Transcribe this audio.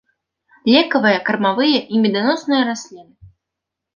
Лекавыя, кармавыя і меданосныя расліны.